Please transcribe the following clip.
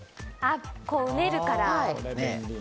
うねるから。